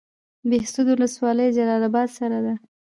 بهسودو ولسوالۍ جلال اباد سره ده؟